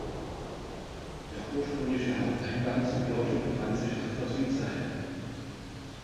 Der ursprüngliche Haupteingang zur Kirche befand sich auf der Südseite.